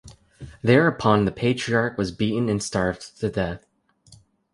Thereupon the patriarch was beaten and starved to death.